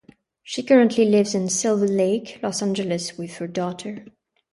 She currently lives in Silver Lake, Los Angeles with her daughter.